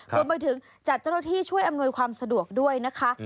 รวมไปถึงจัดเจ้าหน้าที่ช่วยอำนวยความสะดวกด้วยนะคะ